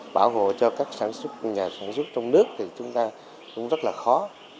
bảo hộ cho các nhà sản xuất trong nước thì chúng ta cũng rất là khó